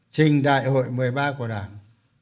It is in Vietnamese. trình đại hội một mươi ba của đảng